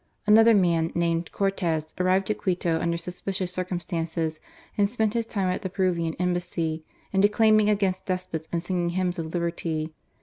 Another man, named Cortes, arrived at Quito under suspicious circumstances, and spent his time ;it the Ptnt\ ian Embassy in declaiming against despots and singing hymns of liberty.